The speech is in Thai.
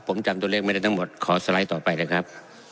ผมจำตัวเลขไม่ได้ทั้งหมดขอสไลด์ต่อไปนะครับ